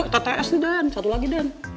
tts itu den satu lagi den